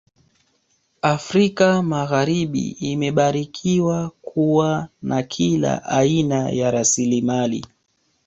Afrika magharibi imebarikiwa kuwa na kila aina ya rasilimali